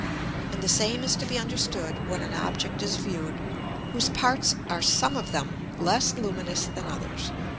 And the same is to be understood when an Object is viewed, whose parts are some of them less luminous than others.